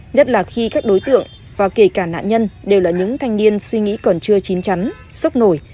nhất là khi các đối tượng và kể cả nạn nhân đều là những thanh niên suy nghĩ còn chưa chín chắn sốc nổi